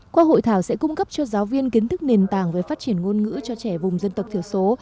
qua hội thảo sẽ cung cấp cho giáo viên kiến thức nền tảng về phát triển ngôn ngữ cho trẻ vùng dân tộc thiểu số